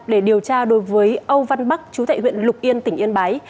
để điều tra đối với âu văn bắc chú tại huyện lục yên tỉnh yên bái